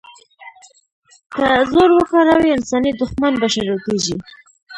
که زور وکاروي، انساني دوښمن به شړل کېږي.